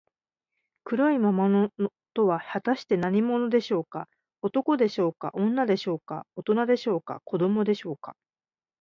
黒い魔物とは、はたして何者でしょうか。男でしょうか、女でしょうか、おとなでしょうか、子どもでしょうか。